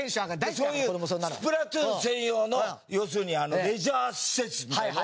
そういう『スプラトゥーン』専用の要するにレジャー施設みたいなのを。